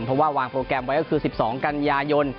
เพราะว่าวางโปรแกรมไว้ก็คือ๑๒กันยายน